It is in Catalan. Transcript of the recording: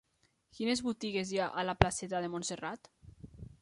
Quines botigues hi ha a la placeta de Montserrat?